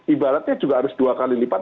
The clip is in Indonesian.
ibaratnya juga harus dua kali lipat